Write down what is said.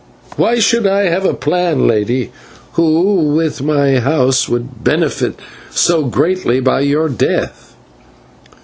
"Why should I have a plan, Lady, who with my house would benefit so greatly by your death?"